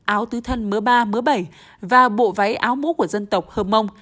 áo tứ thân mứa ba mứa bảy và bộ váy áo mũ của dân tộc hờ mông